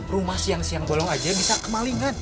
rumah siang siang bolong aja bisa kemalingan